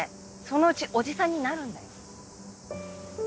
そのうちおじさんになるんだよ。